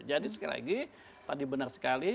jadi sekali lagi tadi benar sekali